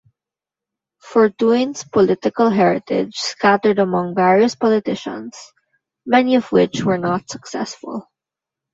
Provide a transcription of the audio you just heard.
Fortuyn's political heritage scattered among various politicians, many of which were not successful.